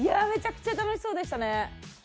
めちゃくちゃ楽しそうでしたね。